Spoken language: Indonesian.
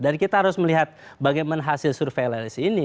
jadi kita harus melihat bagaimana hasil survei lsi ini